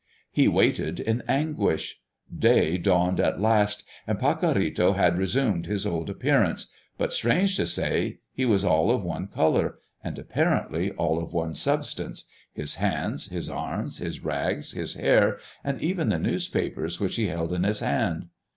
He waited in anguish. Day dawned at last; and Pacorrito had resumed his old appearance, but strange to say, he was all of one color, and apparently all of one substance, his hands, his arms, his rags, his hair, and even the newspapers which he held in his hand.